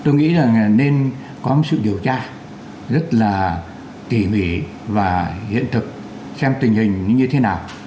tôi nghĩ là nên có một sự điều tra rất là tỉ mỉ và hiện thực xem tình hình như thế nào